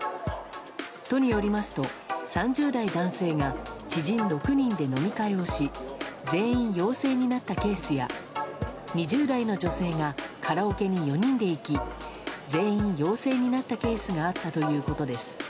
都によりますと、３０代男性が知人６人で飲み会をし全員陽性になったケースや２０代の女性がカラオケに４人で行き全員陽性になったケースがあったということです。